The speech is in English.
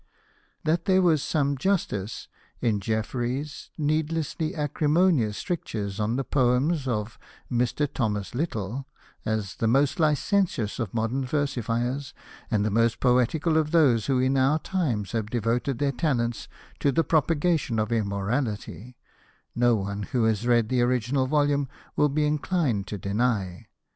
That there was some justice in Jeffrey's needlessly acrimonious strictures on the poems of " Mr. Thomas Little " as " the most licentious of modern versifiers, and the most poetical of those who in our times have devoted their talents to the propagation of immorality," no one who has read the original volume will be inclined to deny.